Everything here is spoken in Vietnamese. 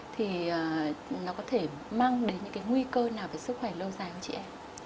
thì nó có thể mang đến những nguy cơ nào về sức khỏe lâu dài của chị em